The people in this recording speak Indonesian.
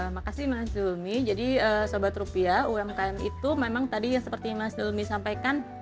makasih mas zulmi jadi sobat rupiah umkm itu memang tadi seperti mas zulmi sampaikan